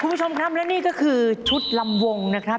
คุณผู้ชมครับและนี่ก็คือชุดลำวงนะครับ